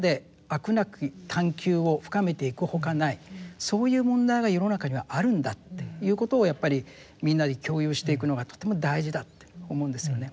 なき探究を深めていくほかないそういう問題が世の中にはあるんだっていうことをやっぱりみんなで共有していくのがとても大事だって思うんですよね。